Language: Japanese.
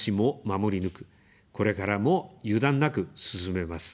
守り抜く、これからも油断なく進めます。